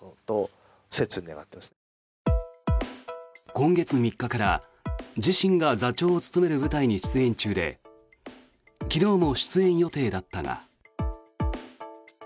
今月３日から自身が座長を務める舞台に出演中で昨日も出演予定だったが。